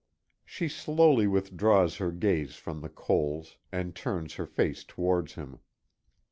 She slowly withdraws her gaze from the coals, and turns her face towards him.